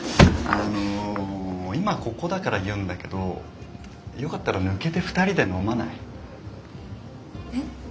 あの今ここだから言うんだけどよかったら抜けて２人で飲まない？え？